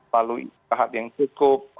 lalu sehat yang cukup